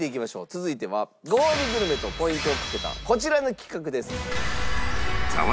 続いてはごほうびグルメとポイントを懸けたこちらの企画です。